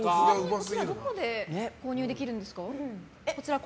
これはどこで購入できるんですか？